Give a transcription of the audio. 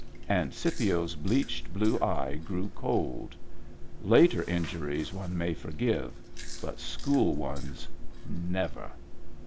And Scipio's bleached blue eye grew cold. Later injuries one may forgive, but school ones never.